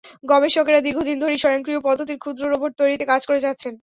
গবেষকেরা দীর্ঘদিন ধরেই স্বয়ংক্রিয় পদ্ধতির ক্ষুদ্র রোবট তৈরিতে কাজ করে যাচ্ছেন।